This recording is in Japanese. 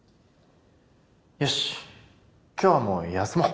よし今日はもう休もう。